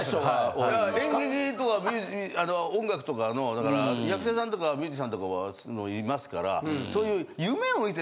演劇とか音楽とかのだから役者さんとかミュージシャンとかはいますからそういう。